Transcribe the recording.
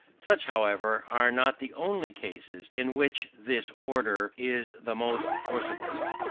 Such, however, are not the only cases in which this order is the most forcible.